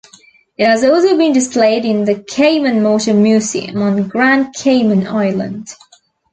It has also been displayed in the Cayman Motor Museum on Grand Cayman Island.